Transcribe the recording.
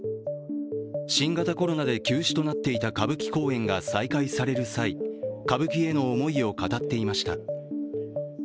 新型コロナで休止となっていた歌舞伎公演が再開される際、歌舞伎への思いを語っていました。